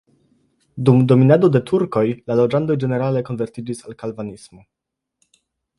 Dum dominado de turkoj la loĝantoj ĝenerale konvertiĝis al kalvinismo.